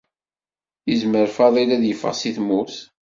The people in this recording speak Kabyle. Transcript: Yezmer Faḍil ad yeffeɣ si tmurt.